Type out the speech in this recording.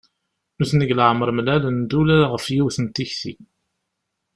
Nutni deg leɛmer mlalen-d ula ɣef yiwet n tikti.